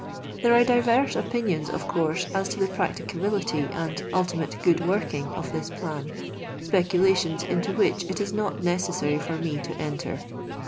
There are divers opinions, of coarse, as to the practicability and ultimate good working of this plan ; speculations into which it ii not necessary for me to enter.